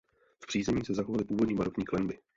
V přízemí se zachovaly původní barokní klenby.